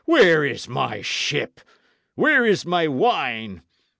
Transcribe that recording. "Where is my ship? Where is my wine?